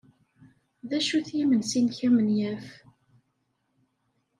D acu-t yimensi-nnek amenyaf?